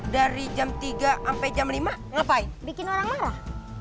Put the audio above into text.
dari jam tiga sampai jam lima ngapain bikin orang marah